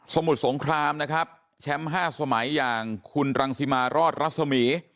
มุสงครามนะครับแชมป์๕สมัยอย่างคุณรังสิมารอดรัศมี